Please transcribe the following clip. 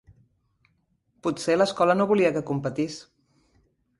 Potser l'escola no volia que competís.